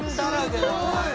すごい！